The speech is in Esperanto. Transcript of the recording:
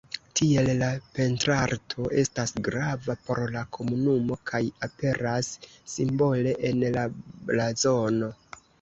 Tiel la pentrarto estas grava por la komunumo kaj aperas simbole en la blazono.